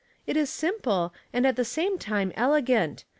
"It is simple, and at the same time elegant.